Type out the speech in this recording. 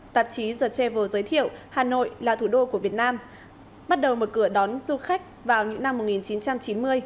tạp chí the travel giới thiệu hà nội là thủ đô của việt nam bắt đầu mở cửa đón du khách vào những năm một nghìn chín trăm chín mươi